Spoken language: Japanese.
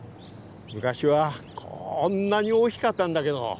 昔はこんなに大きかったんだけど。